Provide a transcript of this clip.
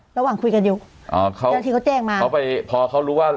ระหว่างคุยกันอยู่อ่าเขาเจ้าหน้าที่เขาแจ้งมาเขาไปพอเขารู้ว่า